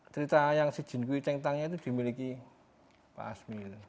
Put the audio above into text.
cerita yang si jin kui cheng tangnya itu dimiliki pak asmi itu